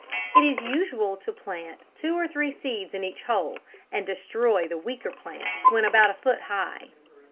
It is usual to plant two or three seeds in each hole, and destroy the weaker plants when about a foot high.